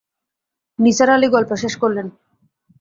নিসার আলি গল্প শেষ করলেন।